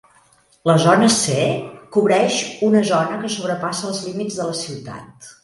La zona C cobreix una zona que sobrepassa els límits de la ciutat.